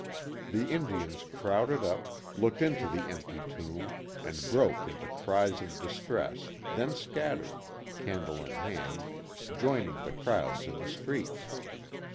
The Indians crowded up, looked into the empty tomb and broke into cries of distress, then scattered, candle in hand, joining the crowds in the streets.